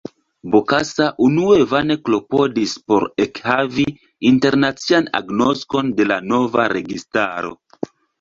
Bokassa unue vane klopodis por ekhavi internacian agnoskon de la nova registaro.